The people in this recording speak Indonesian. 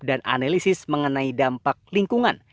analisis mengenai dampak lingkungan